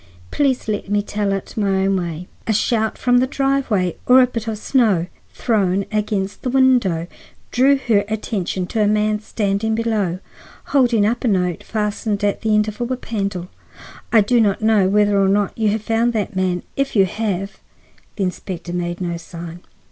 Please let me tell it my own way. A shout from the driveway, or a bit of snow thrown against the window, drew her attention to a man standing below, holding up a note fastened to the end of a whip handle. I do not know whether or not you have found that man. If you have—" The inspector made no sign.